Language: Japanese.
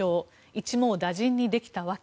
一網打尽にできた訳。